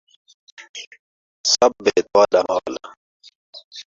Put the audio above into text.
سب ہے تہاݙا مال